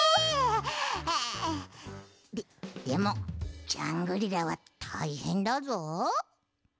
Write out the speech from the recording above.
ででもジャングリラはたいへんだぞ。